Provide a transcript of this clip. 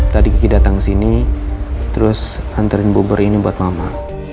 tadi kiki datang sini terus anterin bubur ini buat mama